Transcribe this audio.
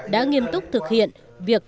đã nghiêm túc thực hiện việc